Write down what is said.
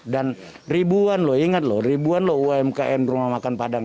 ribuan loh ingat loh ribuan loh umkm rumah makan padang